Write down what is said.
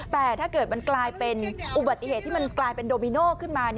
แต่ถ้าเกิดมันกลายเป็นอุบัติเหตุที่มันกลายเป็นโดมิโน่ขึ้นมา